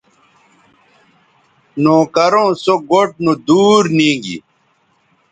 نوکروں سو گوٹھ نودور نیگی